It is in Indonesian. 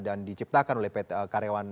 dan diciptakan oleh pt karyawan